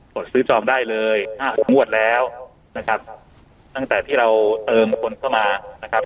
ซื้อจองได้เลยห้าหกงวดแล้วนะครับตั้งแต่ที่เราเติมคนเข้ามานะครับ